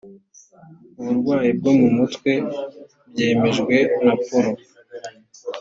uburwayi bwo mu mutwe byemejwe na polo